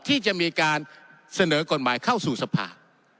ที่จะมีการเสนอกฎหมายเข้าสู่สภา